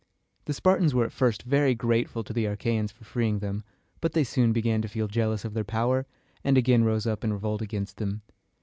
The Spartans were at first very grateful to the Achæans for freeing them, but they soon began to feel jealous of their power, and again rose up in revolt against them.